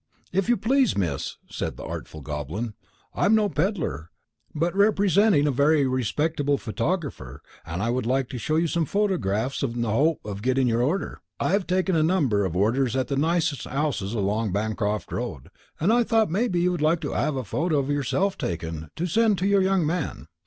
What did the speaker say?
"If you please, Miss," said the artful Goblin, "I am no pedlar, but representing a very respectable photographer, and I would like to show you some photographs in the 'ope of getting your order. I 'ave taken a number of orders at the nicest 'ouses along Bancroft Road. I thought maybe you would like to 'ave a photo of yourself taken, to send to your young man."